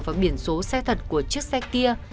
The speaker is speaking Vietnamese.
và biển số xe thật của chiếc xe kia